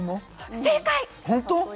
正解！